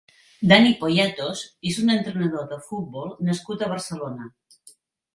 Dani Poyatos és un entrenador de futbol nascut a Barcelona.